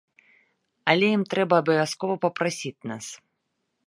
Але ім трэба абавязкова папрасіць нас.